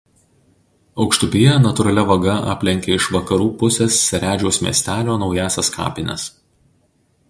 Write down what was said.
Aukštupyje natūralia vaga aplenkia iš vakarų pusės Seredžiaus miestelio naująsias kapines.